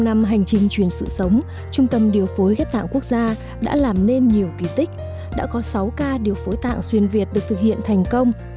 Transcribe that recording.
trong năm hành trình truyền sự sống trung tâm điều phối ghép tạng quốc gia đã làm nên nhiều kỳ tích đã có sáu ca điều phối tạng xuyên việt được thực hiện thành công